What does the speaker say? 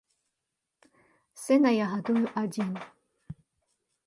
Сына я гадую адзін.